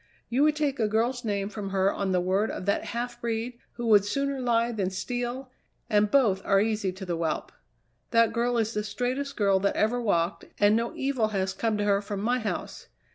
You would take a girl's name from her on the word of that half breed, who would sooner lie than steal and both are easy to the whelp. That girl is the straightest girl that ever walked, and no evil has come to her from my house.